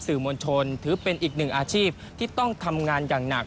มวลชนถือเป็นอีกหนึ่งอาชีพที่ต้องทำงานอย่างหนัก